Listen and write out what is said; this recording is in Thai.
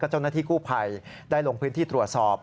กระจกหน้าที่กู้ไผ่ได้ลงพื้นที่ตรวจสอบ